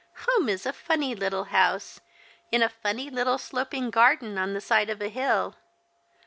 Home is a funny little house, in a funny little sloping garden on the side of a hill.